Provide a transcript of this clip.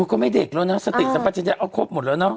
ก็ไม่เด็กแล้วนะสติสัมปัจจัญญาเอาครบหมดแล้วเนาะ